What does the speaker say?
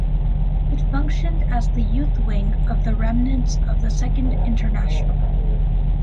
It functioned as the youth wing of the remnants of the Second International.